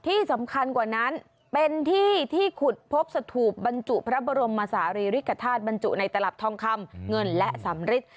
ที่สำคัญกว่านั้นเป็นที่ที่ขุดพบสถูปบรรจุพระบรมศาลีริกฐาตุบรรจุในตลับทองคำเงินและสำริท